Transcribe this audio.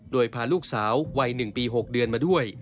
โดยพาลูกสาววัย๑ปี๖เดือนมาด้วย